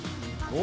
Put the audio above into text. お！